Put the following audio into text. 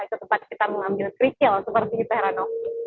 itu tempat kita mengambil krikil seperti di perano